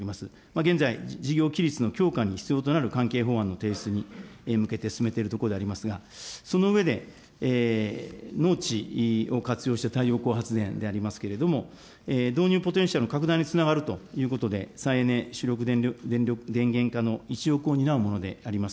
現在、事業規律の強化に必要となる関係法案の提出に向けて進めているところでありますが、その上で、農地を活用した太陽光発電でありますけれども、導入ポテンシャル拡大につながるということで、再エネ主力電源化の一翼を担うものであります。